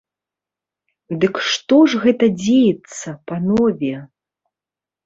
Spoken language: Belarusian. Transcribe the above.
Дык што ж гэта дзеецца, панове?